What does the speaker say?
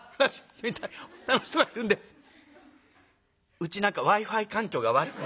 「うち何かＷｉ−Ｆｉ環境が悪くなってる？